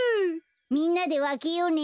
みんなでわけようね。